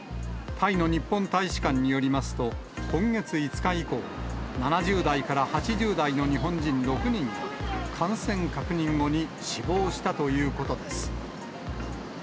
タイの日本大使館によりますと、今月５日以降、７０代から８０代の日本人６人が、感染確認後に死亡したということです。